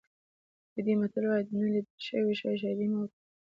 یهودي متل وایي د نه لیدل شوي شي شاهدي مه ورکوه.